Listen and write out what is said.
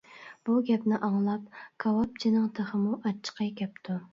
بۇ گەپنى ئاڭلاپ كاۋاپچىنىڭ تېخىمۇ ئاچچىقى كەپتۇ.